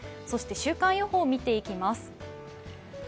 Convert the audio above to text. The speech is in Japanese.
そして週間予報を見ていきます。